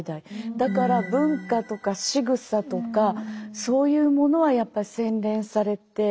だから文化とかしぐさとかそういうものはやっぱり洗練されて上だった。